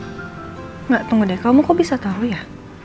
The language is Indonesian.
enggak tunggu deh kamu kok bisa tahu ya